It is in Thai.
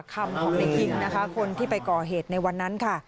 คนที่ไปก่อเหตุในวันนั้น